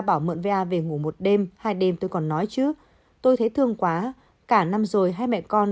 bảo mượn va về ngủ một đêm hai đêm tôi còn nói trước tôi thấy thương quá cả năm rồi hai mẹ con